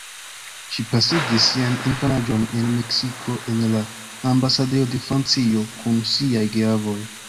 Ŝi pasigis sian infanaĝon en Meksiko en la ambasadejo de Francio kun siaj geavoj.